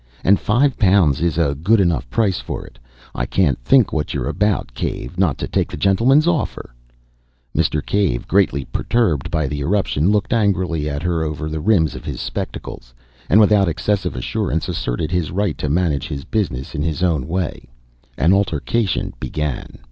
"And five pounds is a good enough price for it. I can't think what you're about, Cave, not to take the gentleman's offer!" Mr. Cave, greatly perturbed by the irruption, looked angrily at her over the rims of his spectacles, and, without excessive assurance, asserted his right to manage his business in his own way. An altercation began.